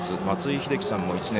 松井秀喜さん